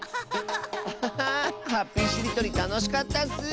ハッピーしりとりたのしかったッス！